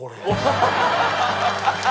ハハハハ！